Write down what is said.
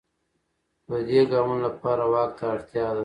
خو د دې ګامونو لپاره واک ته اړتیا ده.